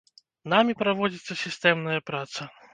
Намі праводзіцца сістэмная праца.